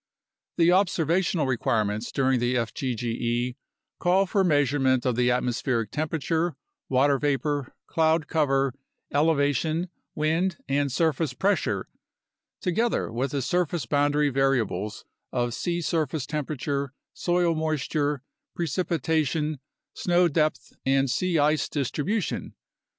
The observational requirements during the fgge call for measurement of the atmospheric temperature, water vapor, cloud cover and eleva tion, wind, and surface pressure, together with the surface boundary variables of sea surface temperature, soil moisture, precipitation, snow depth, and sea ice distribution.